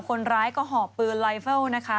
คนร้ายก็หอบปืนไลเฟิลนะคะ